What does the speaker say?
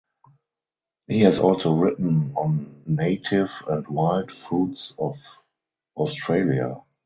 He has also written on native and wild foods of Australia.